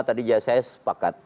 tadi saya sepakat